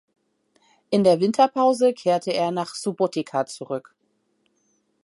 In der Winterpause kehrte er nach Subotica zurück.